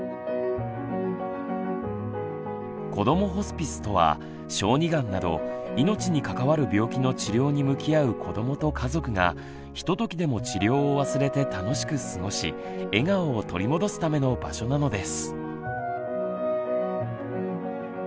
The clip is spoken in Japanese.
こどもホスピスとは小児がんなど命に関わる病気の治療に向き合う子どもと家族がひとときでも治療を忘れて楽しく過ごし笑顔を取り戻すための場所なのです。